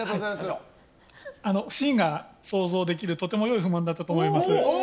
シーンが想像できるとても良い不満だったと思います。